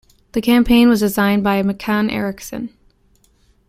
The campaign was designed by McCann Erickson.